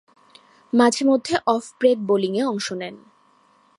মাঝে-মধ্যে off break বোলিংয়ে অংশ নেন।